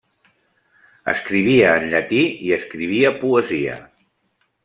Escrivia en llatí i escrivia poesia.